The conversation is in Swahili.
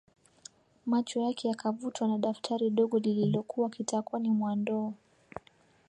Macho yake yakavutwa na daftari dogo lililokua kitakoni mwa ndoo